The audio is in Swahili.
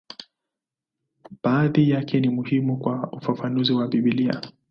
Baadhi yake ni muhimu kwa ufafanuzi wa Biblia.